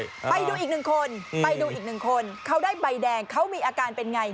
ไปดูอีกหนึ่งคนไปดูอีกหนึ่งคนเขาได้ใบแดงเขามีอาการเป็นไง